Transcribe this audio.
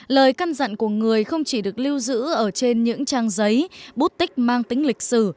lời căn dặn của người không chỉ được lưu giữ ở trên những trang giấy bút tích mang tính lịch sử